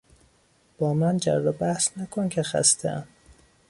با من جروبحث نکن که خستهام!